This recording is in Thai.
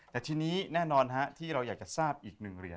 แต่ทีนี้แน่นอนที่เราอยากจะทราบอีกหนึ่งเหรียญ